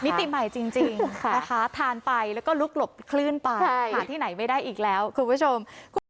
ติใหม่จริงนะคะทานไปแล้วก็ลุกหลบคลื่นไปทานที่ไหนไม่ได้อีกแล้วคุณผู้ชม